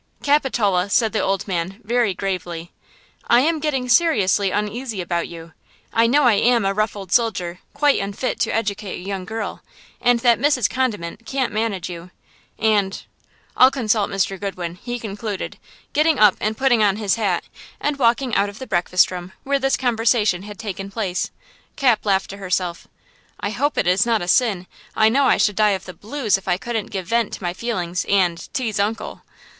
"Capitola," said the old man, very gravely, "I am getting seriously uneasy about you. I know I am a rough old soldier, quite unfit to educate a young girl, and that Mrs. Condiment can't manage you, and–I'll consult Mr. Goodwin!" he concluded, getting up and putting on his hat, and walking out of the breakfast room, where this conversation had taken place. Cap laughed to herself. "I hope it is not a sin. I know I should die of the blues if I couldn't give vent to my feelings and–tease uncle!"